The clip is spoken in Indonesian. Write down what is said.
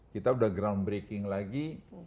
kita udah groundbreaking lagi